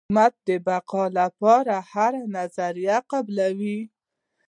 حکومت د بقا لپاره هره نظریه قبلوي.